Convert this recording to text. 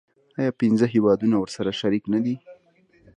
آیا پنځه هیوادونه ورسره شریک نه دي؟